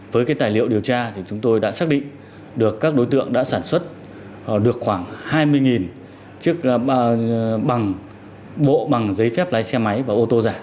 với cái tài liệu điều tra thì chúng tôi đã xác định được các đối tượng đã sản xuất được khoảng hai mươi chiếc bằng bộ bằng giấy phép lái xe máy và ô tô giả